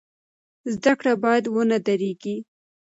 زده کړه باید ونه دریږي.